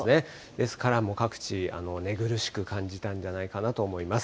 ですからもう各地、寝苦しく感じたんじゃないかなと思います。